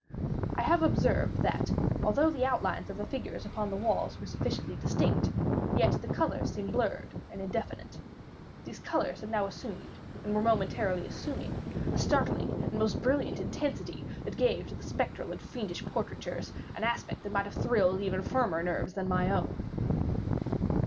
I have observed that, although the outlines of the figures upon the walls were sufficiently distinct, yet the colors seemed blurred and indefinite. These colors had now assumed, and were momentarily assuming, a startling and most intense brilliancy, that gave to the spectral and fiendish portraitures an aspect that might have thrilled even firmer nerves than my own.